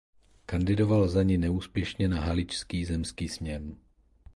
Kandidoval za ni neúspěšně na Haličský zemský sněm.